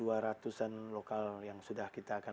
dua ratus an lokal yang sudah kita akan